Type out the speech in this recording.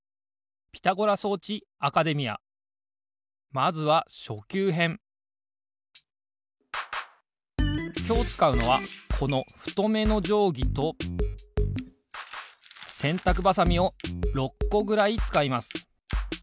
まずはきょうつかうのはこのふとめのじょうぎとせんたくばさみを６こぐらいつかいます。